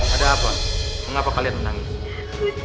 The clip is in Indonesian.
ada apa mengapa kalian menangis